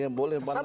ya boleh pak maruf